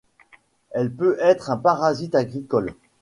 Elle peut être un parasite agricole.